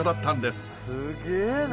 すげえな。